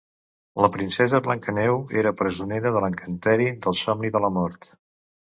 La princesa Blancaneu era presonera de l'encanteri del somni de la mort.